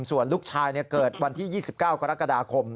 ส่วนลูกชายเกิดวันที่๒๙กรกฎาคม